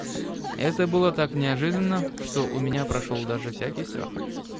Это было так неожиданно, что у меня прошел даже всякий страх.